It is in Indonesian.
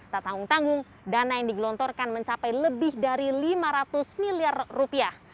tak tanggung tanggung dana yang digelontorkan mencapai lebih dari lima ratus miliar rupiah